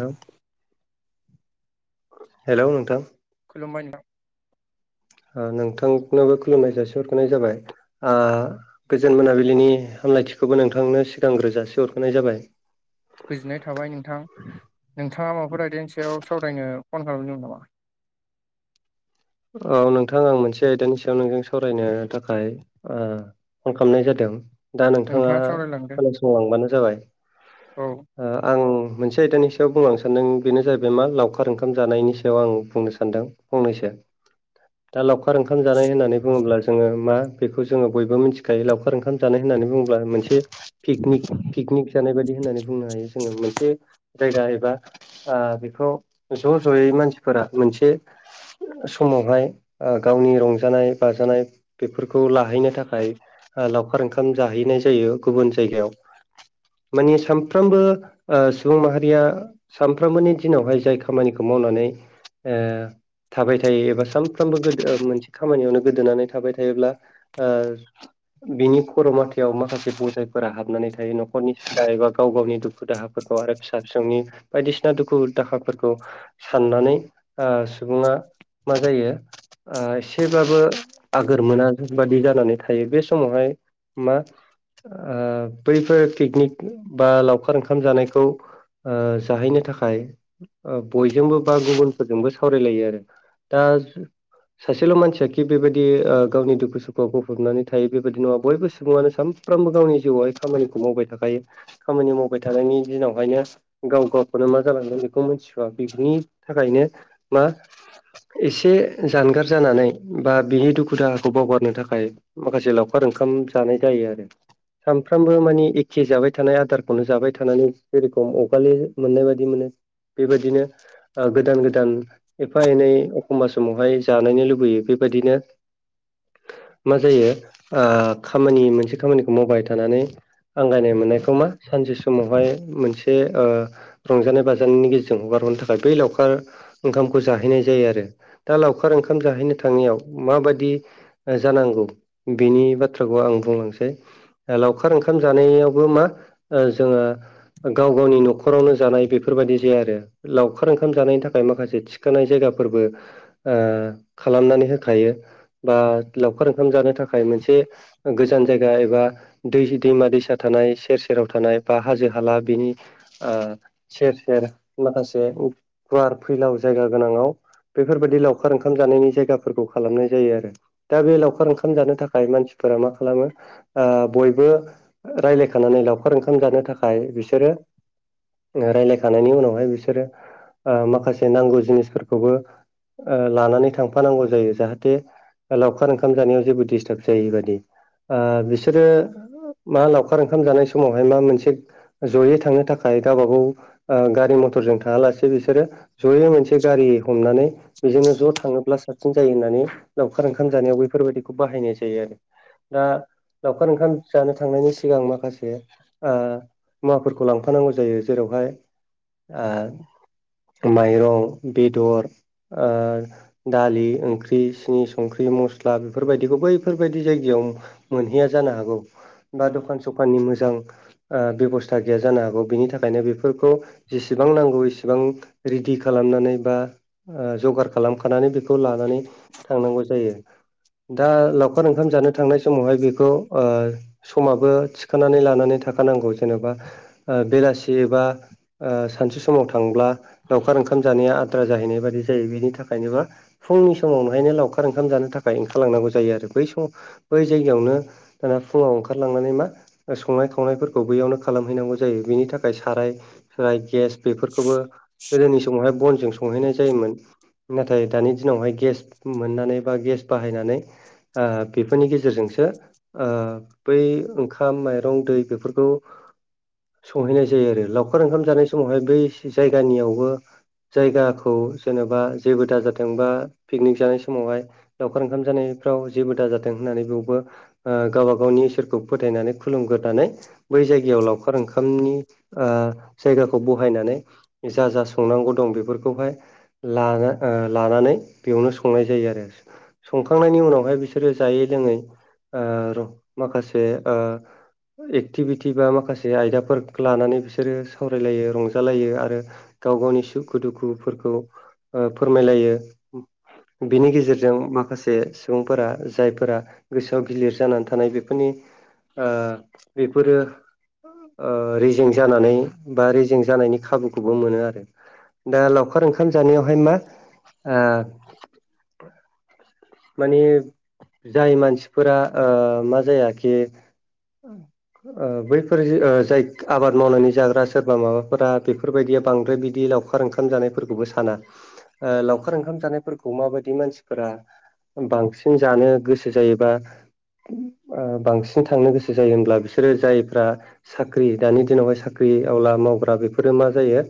ह हेल' नोंथां खुलुमबाय नामा नोंथांनोबो खुलुमनाय जासि हरखानाय जाबाय गोजोन मोनाबिलिनि हामलायथिखौबो नोंथांनो सिगांग्रोजासे हरगाय जाबाय गोजोननाय थाबाय नोंथां नोंथाङा माबाफोर आयदानि सायाव सावरायनो फन खालामदोंमोन नामा औ नोंथांा आं मोनसे आयदानि सायाव नोंजों सावरायनो थाखाय फन खालामनाय जादों दा नोंथाङा खोनासंलांबानो जाबाय औ आं मोनसे आयदानि सायाव बुंलांनो सानदों बेनो जाहैबाय मा लावखार ओंखाम जानायनि सायाव आं बुंनो सानदों फंनैसो दा लावखार ओंखाम जानाय होननानै बुङोब्ला जोङो मा बेखौ जोङो बयबो मिथिखायो लावखार ओंखाम जानाय होननानै बुङोब्ला मोनसे पिकनिक पिकनिक जानाय बायदि होननानै बुंनो हायो जोङो मोनसे जायगा एबा बेखौ ज' ज'यै मानसिफोरा मोनसे समावहाय गावनि रंजानाय बाजानाय बेफोरखौ लाहैनो थाखाय लावखार ओंखाम जाहैनाय जायो गुबुन जायगायाव मानिे सामफ्रोमबो सुबुं माहारिया सानफ्रोमबोनि दिनावहाय जाय खामानिखौ मावनानै थाबाय थ थायो एबा सानफ्रामबो गो मोनसे खामानियावनो गोदोनानै थाबाय थायोब्ला बिनि खर' मााथाव माखासे बजायफोरा हाबनानै थायो न'खरनि सिदा एबा गाव गावनि दुखु दाह हाब फोर आरो फिसा फिसौनि बायदिसिना दुखु दाहाफोरखौ साननानै सुबुङा मा जायो एसेबाबो आगोर मोना बादि जानानै थायो बे समावहाय मा बैफोर पिकनिक बा लावखार ओंखाम जानायखौ जाहैनो थाखाय बयजोंबो बा गुबुनफोरजोंबो सावरायलायो आरो दाज सासेल' मानसिया खि बेबायदि गावनि दुखु सुखुआव गफबनानै थायो बेबायदि नङा बयबो सुबुङानो साम साफ्रोमबो गावनि जिउआवहाय खामानिखौ मावबाय थाखायो खामानि मावबाय थानायनि दिनावहायनो गाव गावखौनो मा जालांगोन बेखौ मिथिथ'ा बिनि थाखायनो मा एसे जानगार जानानै बा बिनि दुखु दाहाखौ बावगारनो थाखाय माखासे लावखार ओंखाम जानाय जायो आरो सानफ्रामबो मानि एखे जाबाय थानाय आदारखौनो जाबाय थानानै जेरेखम अगााललि मोननाय बायदि मोनो बेबायदिनो गोदान गोदान एफा एनै एखमबब्ला समावहाय जानायनो लुबैयो बेबायदिनो मा जायो खामानि मोनसे खामानिखौ मावबाय थानानै आं गायनाय मोननायखौ मा सानसे समावहाय मोनसे रंजानाय बाजानायनि गेजेरजों हगार हरनो थाखाय बै लावखार ओंखामखौ जाहैनाय जायो आरो दा लावखार ओंखाम जाहैनो थांनायाव माबायदि जानांगौ बिनि बाथ्राखौ आं बुंलांसै लावखार ओंखाम जानायावबो मा जोङो गाव गावनि न'खरावनो जानाय बेफोरबायदि जाया आरो लावखार ओंखाम जानायनि थाखाय माखासे थिखानाय जायगाफोरबो खालामनानै होखायो बा लावखार ओंखाम जानो थाखाय मोनसे गोजान जायगा एबा दै दैमा दैसा थानाय सेर सेराव थानाय बा हाजो हाला बिनि सेर सेर माखासे गुवार फैलाव जायगा गोनाङाव बेफोरबायदि लावखार ओंखाम जानायनि जायगाफोरखौ खालामनाय जायो आरो दा बे लावखार ओंखाम जानो थाखाय मानसिफोरा मा खालामो बयबो रायज्लायखानानै लावखार ओंखाम जानो थाखाय बिसोरो रायज्लायखांानायनि उनावहाय बिसोरो माखासे नांगौ जिनिसफोरखौबो लानानै थांफानांगौ जायो जाहाथे लावखार ओंखाम जानायाव जेबो डिस्टार्ब जायै बादि बिसोरो मा लावखार ओंखाम जानाय समावहाय मा मोनसे जयै थांनो थाखाय गावबा गाव ओ गारि मथरजों थाङालासे बिसोरो ज मोनसे गारि हमनानै बेजोंनो ज' थाङोब्ला साबसिन जायो होननानै लावखार ओंखाम जानायाव बेफोरबायदिखौ बाहायनाय जायो आरो दा लावखार ओंखाम जानो थांनायनि सिगां माखासे आ मुवाफोरखौ लांफानांगौ जायो जेरावहाय आ माइरं बेदर आर दालि ओंख्रि सिनि संख्रि मस्ला बेफोरबायदिखौ बैफोरबायदि जायगायाव मोनहैया जानो हागौ बा दखान सखाननि मोजां ओ बेब'स्था गैया जानो हागौ बिनि थाखायनो बेफोरखौ जेसेबां नांगौ एसेबां रिडि खालामनानै बा ओ जगार खालामखानानै बेखौ लानानै थांनांगौ जायो दा लावखार ओंखाम जानो थांनाय समावहाय बेखौ ओ समाबो थिखोनानै लानानै थाखानांगौ जेनेबा बेलासि एबा ओ सानसे समाव थांब्ला लावखार ओंखाम जानाया आद्रा जाहैनाय बायदि जायो बिनि थाखायनोबा फुंनि समावनोहायनो लावखार ओंखाम जानो थाखाय ओंखारलांनांगौ जायो आरो बै सम बै जायगायावनो दाना फुङाव ओंखारलांनानै मा संनाय खावनायफोरखौ बैयावनो खालामहैनांगौ जायो बिनि थाखाय साराय फाय गेस बेफोरखौबो गोदोनि समावहाय बनजों संहैनाय ज जायोमोन नाथाय दानि दिनावहाय गेस मोननानै बा गेस बाहायनानै आ बेफोरनि गेजेरजोंसो ओ बै ओंखाम माइरं दै बेफोरखौ संहैनाय जायो आरो लावखार ओंखाम जानाय समावहाय बै जायगानियावबो जायगा खौ जेनेबा जेबो दाजादोंबा पिकनिक जानाय समावहाय लावखार ओंखाम जानायफ्राव जेबो दाजादों होननानै बयबो ओ गावबा गावनि इसोरखौ फोथायनानै खुलुमगोरनानै बै जायगायाव लावखार ओंखामनि आ जायगाखौ बहायनानै जा जा संनांगौ दं बेफोरखौहाय लाह ओ लानानै बेयावनो संनाय जायो आरो संखांनायनि उनावहाय बिसोरो जायै लोङै ओ र माखासे एक्टिभिटि बा माखासे आयदाफोर लानानै बिसोरो सावरायलायो रंजालायो आरो गाव गावनि सुखु दुखुफोरखौ ओ फोरमायलायो बिनि गेजेरजों माखासे सुबुंफोरा जायफोरा गोसोआव गिलिर जानानै थानाय बेफोरनि आ बेफोरो आ रेजें जानानै बा रेजें जानायनि खाबुखौबो मोनो आरो दा लाव खार ओंखाम जानायावहाय मा ओ मानि जाय मानसिफोरा ओ मा जायाखि [unintelligible] ओ बैफोर जि ओ जाय आबाद मावनानै जाग्रा सोरबा माबाफोरा बेफोरबायदिया बांद्राय बिदि लावखा खार ओंखाम जानायफोरखौबो साना ओ लावखार ओंखाम जानायफोरखौ माबायदि मानसिफोरा बांसिन जानो गोसो जायोबा बांसिन थांनो गोसो जायो होनब्ला बिसोरो जायफ्रा साख्रि दानि दिनावहाय साख्रि आवला मावग्रा बेफोरो मा जायो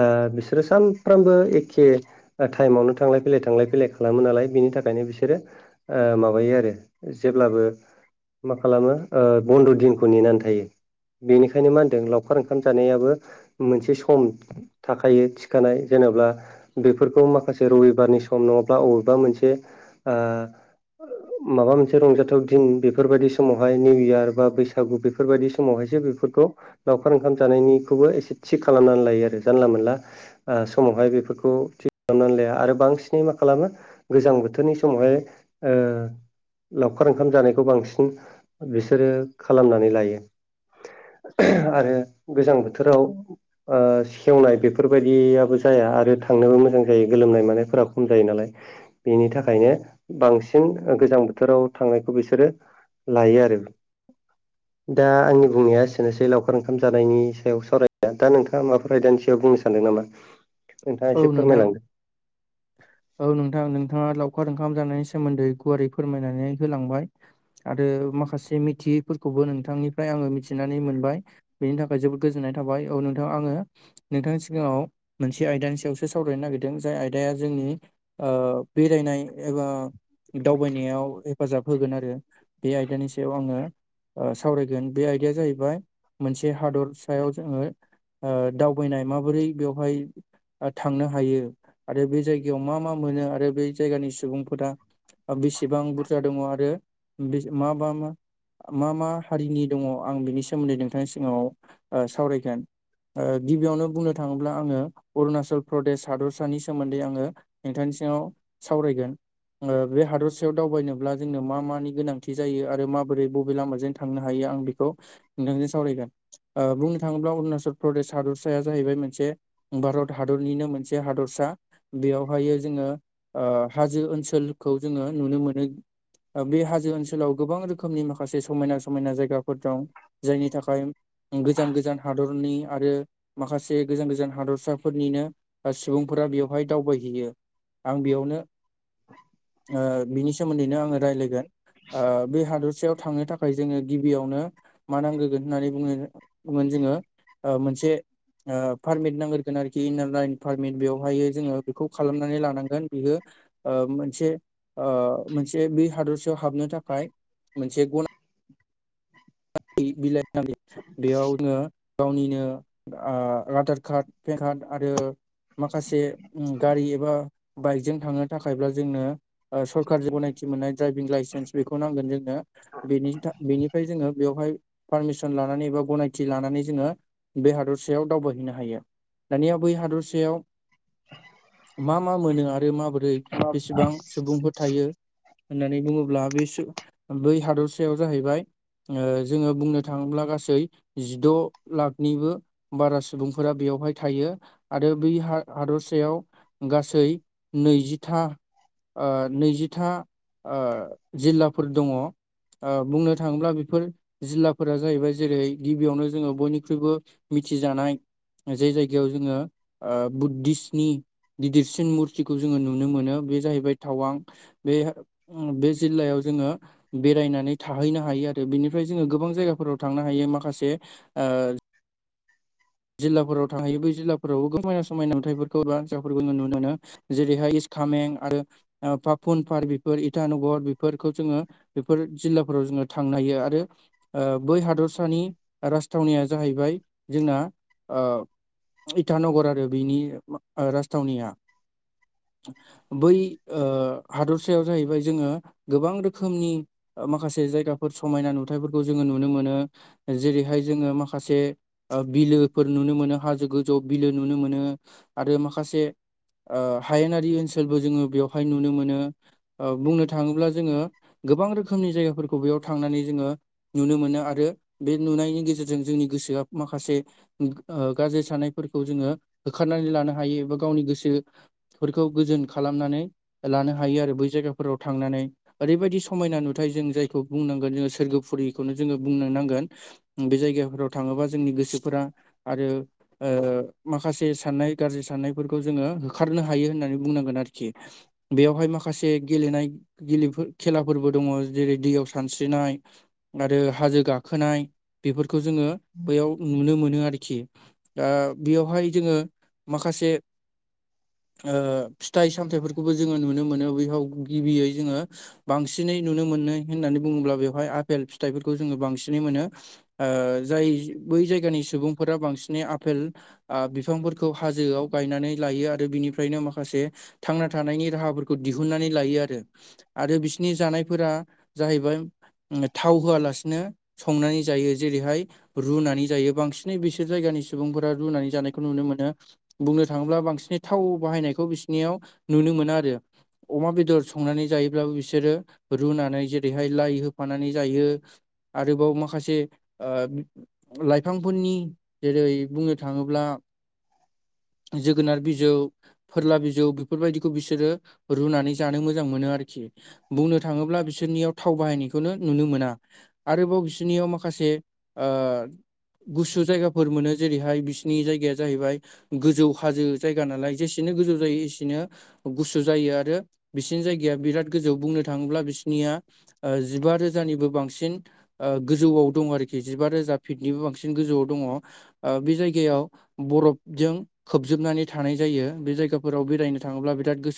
आ बिसोरो सामफ्रामबो एखे आ टाइमावनो थांलाय फैलाय थांलाय फैलाय खालामो नालाय बिनि थाखायनो बिसो सोरो आ माबायो आरो जेब्लाबो मा खालामो ओ बन्द' दिनखौ नेनानै थायो बेनिखायनो मा होनदों लावखार ओंखाम जानायाबो मोनसे सम थाखायो थिखानाय जेनेब्ला बेफोरखौ माखासे रबिबारनि सम नङाब्ला अबेबा मोनसे आ माबा मोनसे रंजाथाव दिन बेफोरबायदि समावहाय निउ इयार बा बैसागु बेफो बेफोरबायदि समावहायसो बेफोरखौ लावखार ओंखाम जानायनिखौबो एसे थिग खालामनानै लायो आरो जानला मोनला समावहाय बेफोरखौ थि खालामनानै लाया आरो बांसिनै मा खालामो गोजां बोथोरनि सम समावहाय ओ लावखार ओंखाम जानायखौ बांसिन बिसोरो खालामनानै लायो। आरो गोजां बोथोराव सेवनाय बेफोरबायदियाबो जाया आरो थांनोबो मोजां जायो गोलोमनाय मानायफोरा खम जायो नालाय बेनि थाखायनो बांसिन ओ गोजां बोथोराव थांनायखौ बिसोरो लायो आरो। [inaudible] दा आंनि बुंनाया एसेनोसै लावखार ओंखाम जानायनि सायाव सावरायनाया दा नोंथाङा माबाफोर आयदानि सगायाव बुंनो सानदों नामा? नोंथाङा औ एसे नोंथां फोरमायलांग औ नोंथां नोंथाङा लावखार ओंखाम जानायनि सोमोन्दै गुवारै फोरमायनानै होलांबाय आरो माखासे मिथियैफोरखौबो नोंथांनिफ्राय आङो मिथिनानै मोनबाय। बेनि थाखाय जोबोद गोजोननाय थाबाय औ नोंथाङा आङो नोंथांनि सिगाङाव मोनसे आयदानि सायावसो सावरायनो नागिरदों जाय आयद आदाया जोंनि बेरायनाय एबा दावबायनायाव हेफाजाब होगोन आरो बे आयदानि सायाव आङो सावरायगोन बे आयदाया जाहैबाय मोनसे हादर सायाव जोङो अ दावबायनाय माबोरै बेवहाय थांनो हायो। आरो बे जायगायाव मा मा मोनो आरो बे जायगानि सुबुंफोरा बेसेबां बुरजा दङ आरो मा मा मा मा मा हारिनि दङ आं बिनि सोमोन्दै नोंथांनि सिगाङाव ओ सावरायगोन। गिबियावनो बुंनो थाङोब्ला आङो अरुणाचल प्रदेश हादरसानि सोमोन्दै आङो नोंथांनि सिङाव सावरायगोन। बे हादरसायाव दावबायनोब्ला जोंनो मा मानि गोनांथि जायो आरो माबोरै बबे लामाजों थां थांनो हायो आं बेखौ नोंथांजों सावरायगोन। बुंनो थाङोब्ला अरुणाचल प्रदेश हादोरसाया जाहैबाय मोनसे बारत हादरनिनो मोनसे हादरसा। बेयावहायो जोङो ओ हाजो ओनसोलखौ जोङो नुनो मोनो। ओ बे हाजो ओनसोलाव गोबां रोखोमनि माखासे समायना समायना जायगाफोर दं। जायनि थाखाय गोजान गोजान हादरनि आरो माखासे गोजान गोजान हादरसाफोरनिनो सुबुंफोरा बेवहाय दावबायहैयो। आं बेयावनो ओ बिनि सोमोन्दैनो आङो रायलायगोन। ओ बे हादरसायाव थांनो थाखाय जोङो गिबियावनो मा नांग्रोगोन होननानै बुंङो बुंगोन जोङो ओ मोनसे ओ पारमित नांग्रोगोन आरोखि इनार लाइन पारमिट बेवहाय जोङो बेखौ खालामनानै लानांगोन बियो ओ मोनसे ओ मोनसे बे हादरसायाव हाबनो थाखाय मोनसे गनाय बिलाइ नांगोन बेयाव नोङो गावनिनो आ आधार कार्ड पेन कार्ड आरो माखासे गारि एबा बाइकजों थांनो थाखायब्ला जोंनो ओ सरखारजों गनायथि मोननाय ड्राइभिं लाइसेन्स बेखौ नांगोन जोंनो। बेनिथा बेनिफ्राय जोङो बेवहाय पारमिसन लानानै एबा गनायथि लानानै जोङो बे हादरसायाव दावबायहैनो हायो। दानिया बै हादरसायाव मा मा मोनो आरो माबो रै बेसेबां सुबुंफोर थायो होननानै बुङोब्ला बैसो बै हादरसायाव जाहैबाय ओ जोङो बुंनो थाङोब्ला गासै जिद' लाखनिबो बारा सुबुंफोरा बेयावहाय थायो आरो बै हा हादरसायाव गासै नैजिथा ओ नैजिथा ओ जिल्लाफोर दङ। ओ बुंनो थाङोब्ला बेफोर जिल्लाफोरा जाहैबाय जेरै गिबियावनो जोङो बयनिख्रुइबो मिथिजानाय जाय जायगायाव जोङो आ बुद्धिसनि गिदिरसिन मुरथिखौ जोङो नुनो मोनो बे जाहैबाय टावां। बे बे जिल्लायाव जोङो बेरायनानै थाहैनो हायो आ रो बिनिफ्राय जोङो गोबां जायगाफोराव थांनो हायो माखासे ओ जिल्लाफोराव थांहोयो बे जिल्लाफोरावबो समायना समायना नुथाइफोरखौ बा जा फोरखौ नुनो मोनो। जेरैहाय इस खामें आरो ओ पाफुन पार्क बेफोर इटानगर बेफोरखौ जोङो बेफोर जिल्लाफोराव जोङो थांनो हायो आरो ओ बै हादरसानि राजथावनिया जाहैबाय जोंना ओ इटानगर आरो बेनि राजथावनिया। बै ओ हादरसायाव जाहैबाय जोङो गोबां रोखोमनि ओ माखासे जायगाफोर समायना नुथायफोरखौ जोङो नुनो मोनो। जेरैहाय जोङो माखासे आ बिलो फोर नुनो मोनो हाजो गोजौ बिलो नुनो मोनो आरो माखासे आ हायेनारि ओनसोलबो जोङो बेवहाय नुनो मोनो। ओ बुंनो थाङोब्ला जोङो गोबां रोखोमनि जायगाफोरखौ बेयाव थांनानै जोङो नुनो मोनो आरो बे नुनायनि गेजेरजों जोंनि गोसोआ माखासे ओ गाज्रि साननायफोरखौ जोङो होखारनानै लानो हायो एबा गावनि गोसो फोरखौ गोजोन खालामनानै लानो हायो आरो बै जायगाफोराव थांनानै। ओरैबायदि समायना नुथाय जों जायखौ बुंनांगोन जोङो सोरगोफुरिखौनो जोङो बुंनो नांगोन। बे जायगाफोराव थाङोबा जोंनि गोसोफोरा आरो ओ माखासे साननाय गाज्रि साननायफोरखौ जोङो होखारनो हायो होननानै बुंनांगोन आरोखि। बेयावहाय माखासे गेलेनाय गेलोफो खेलाफोरबो दङ जेरै दैयाव सानस्रिनाय। आरो हाजो गाखोनाय बेफोरखौ जोङो बैयाव नुनो मोनो आरो खि। दा बेयावहाय जोङो माखासे ओ फिथाइ सामथाइफोरखौबो जोङो नुनो मोनो। बियाव गिबियै जोङो बांसिनै नुनो मोनो होननानै बुङोब्ला बेवहाय आपेल फिथाइफोरखौ जोङो बांसिनै मोनो। ओ जाय बै जायगानि सुबुंफोरा बांसिनै आपेल आ बिफांफोरखौ हाजोआव गायनानै लायो आरो बिनिफ्रायनो माखासे थांना थानायनि राहाफोरखौ दिहुननानै लायो आरो। आरो बिसनि जानायफोरा जाहैबाय थाव होआलासिनो संनानै जायो जेरैहाय रुनानै जायो बांसि नै बिसोर जायगानि सुबुंफोरा रुनानै जानायखौ नुनो मोनो। बुंनो थाङोब्ला बांसिन थाव बाहायनायखौ बिसिनियाव नुनो मोना आरो। अमा बेदर संनानै जायोब्लाबो बिसोरो रुनानै जेरैहाय लाइ होफानानै जायो। आरोबाव माखासे आ लाइफां फोरनि जेरै बुंनो थाङोब्ला जोगोनार बिजौ फोरला बिजौ बेफोरबायदिखौ बिसोरो रुनानै जानो मोजां मोनो आरोखि। बुंनो थाङोब्ला बिसोरनियाव थाव बाहायनायखौनो नुनो मोना। आरोबाव बिसोरनियाव माखासे आ गुसु जायगाफोर मोनो जेरैहाय बिसिनि जायगाया जाहैबाय गोजौ हाजो जायगा नालाय। जेसेनो गोजौ जायो एसेनो गुसु जायो आरो बिसिनि जायगाया बिराद गोजौ बुंनो थाङोब्ला बिसिनिया आ जिबा रोजानिबो बांसिन गोजौआव दं आरोखि। जिबा रोजा फिटनिबो बांसि न गोजौआव दङ। बे जायगायाव बरफजों खोबजोबनानै थानाय जायो। बे जायगाफोराव बेरायनो थाङोब्ला बिराद गोसो